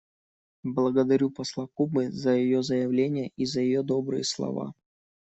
Благодарю посла Кубы за ее заявление и за ее добрые слова.